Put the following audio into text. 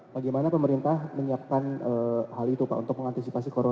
bagaimana pemerintah menyiapkan hal itu pak untuk mengantisipasi corona